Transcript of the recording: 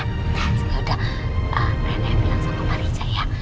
nanti yaudah rena yang bilang sama mariza ya